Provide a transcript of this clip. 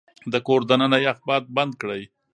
د کور دننه يخ باد بند کړئ.